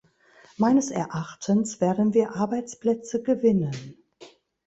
Meines Erachtens werden wir Arbeitsplätze gewinnen.